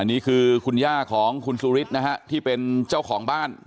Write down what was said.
นี่คือคุณย่าของคุณสุรินนะฮะที่เป็นเจ้าของบ้าน